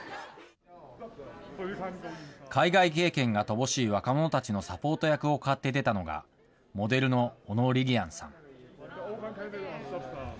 海外経験が乏しい若者たちのサポート役を買って出たのが、モデルの小野りりあんさん。